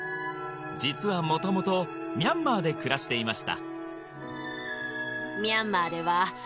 実は元々ミャンマーで暮らしていました